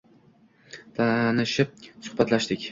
Tanishib, suhbatlashdik